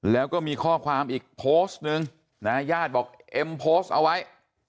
แล้วก็มีข้อความอีกโพสต์นึงนะญาติบอกเอ็มโพสต์เอาไว้